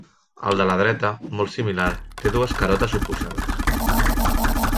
El de la dreta, molt similar, té dues carotes oposades.